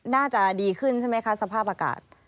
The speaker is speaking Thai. น่าจะดีขึ้นใช่ไหมคะสภาพอากาศ